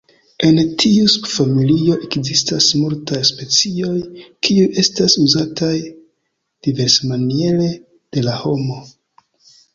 En tiu subfamilio ekzistas multaj specioj, kiuj estas uzataj diversmaniere de la homo.